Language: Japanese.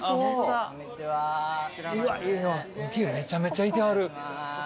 めちゃめちゃいてはる。